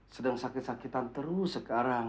sedang sakit sakitan terus sekarang